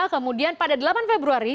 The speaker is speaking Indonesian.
kemudian pada delapan februari